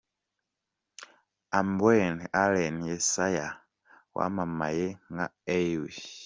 Ambwene Allen Yessayah wamamaye nka A.